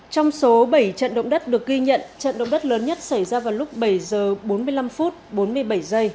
trong số bảy trận động đất được ghi nhận trận động đất lớn nhất xảy ra vào lúc bảy h bốn mươi năm bốn mươi bảy giây